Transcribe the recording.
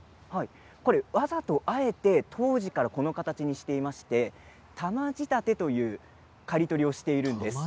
わざと、あえて当時からこの形にしておりまして玉仕立てという刈り取りをしているんです。